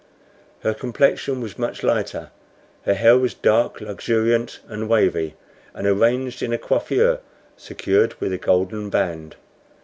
Her complexion was much lighter; her hair was dark, luxuriant, and wavy, and arranged in a coiffure secured with a golden band.